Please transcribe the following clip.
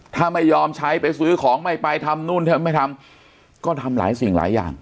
ถ้าไม่ยอมใช้ไปซื้อของไม่ไปทำนู่นไม่ทำก็ทำหลายสิ่งหลายอย่าง